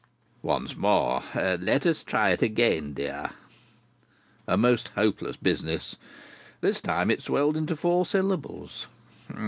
"Once more. Let us try it again, dear." A most hopeless business. This time it swelled into four syllables.